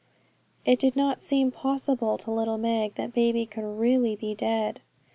It did not seem possible to little Meg that baby could really be dead.